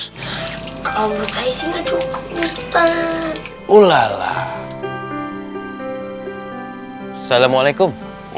yang buruk lagi sih gak cukup ustadz